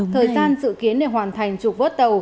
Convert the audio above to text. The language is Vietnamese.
thời gian dự kiến để hoàn thành trục vớt tàu